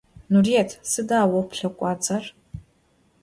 Nurıêt, sıda vo plhekhuats'er?